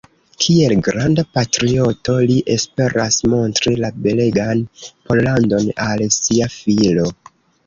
Kiel granda patrioto li esperas montri la belegan Pollandon al sia filo.